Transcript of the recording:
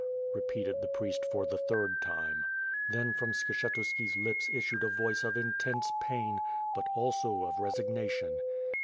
..." Repeated the priest for the third time. Then from Skshetuski's lips issued a voice of intense pain, but also of resignation.